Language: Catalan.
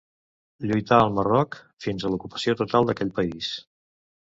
Lluità al Marroc fins a l'ocupació total d'aquell país.